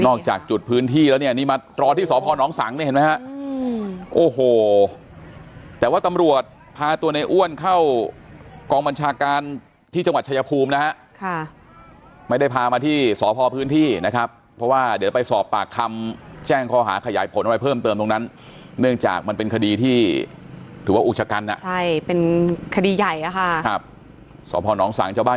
จากจุดพื้นที่แล้วเนี่ยนี่มารอที่สพนสังเนี่ยเห็นไหมฮะโอ้โหแต่ว่าตำรวจพาตัวในอ้วนเข้ากองบัญชาการที่จังหวัดชายภูมินะฮะค่ะไม่ได้พามาที่สพพื้นที่นะครับเพราะว่าเดี๋ยวไปสอบปากคำแจ้งข้อหาขยายผลอะไรเพิ่มเติมตรงนั้นเนื่องจากมันเป็นคดีที่ถือว่าอุกชะกันอ่ะใช่เป็นคดีใหญ่อะค่ะครับสพนสัง